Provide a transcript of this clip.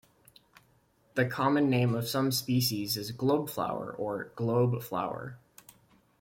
The common name of some species is globeflower or globe flower.